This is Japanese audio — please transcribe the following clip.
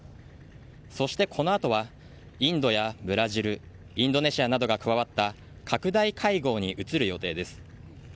そして、この後はインドやブラジルインドネシアなどが加わった拡大会合に移る予定です。